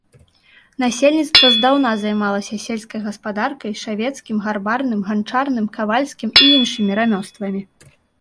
Насельніцтва здаўна займалася сельскай гаспадаркай, шавецкім, гарбарным, ганчарным, кавальскім і іншымі рамёствамі.